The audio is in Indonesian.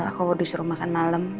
aku disuruh makan malam